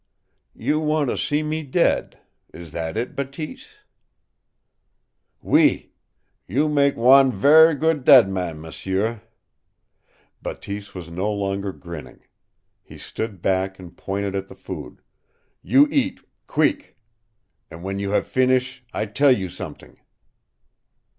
'" "You want to see me dead. Is that it, Bateese?" "OUI. You mak' wan ver' good dead man, m'sieu!" Bateese was no longer grinning. He stood back and pointed at the food. "You eat queek. An' when you have finish' I tell you somet'ing!"